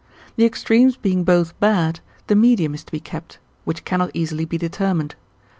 The extremes being both bad, the medium is to be kept, which cannot easily be determined.